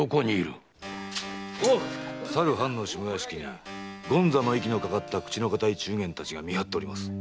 さる藩の下屋敷に権三の息のかかった口のかたい中間たちが見張っております。